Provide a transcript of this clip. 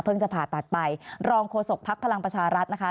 จะผ่าตัดไปรองโฆษกภักดิ์พลังประชารัฐนะคะ